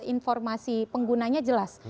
informasi penggunanya jelas